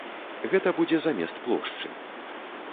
Гэта будзе замест плошчы.